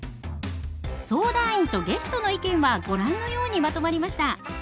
相談員とゲストの意見はご覧のようにまとまりました。